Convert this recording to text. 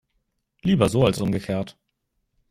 Lieber so als umgekehrt.